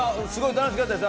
楽しかったです。